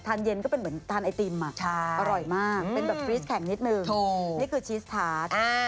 เย็นก็เป็นเหมือนทานไอติมอร่อยมากเป็นแบบฟรีสแข่งนิดนึงนี่คือชีสทาส